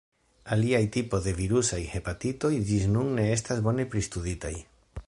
Aliaj tipoj de virusaj hepatitoj ĝis nun ne estas bone pristuditaj.